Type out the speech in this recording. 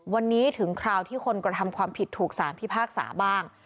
วันนี้ถึงคราวที่คนกระทำความผิดถูกสารพิพากษาบ้าง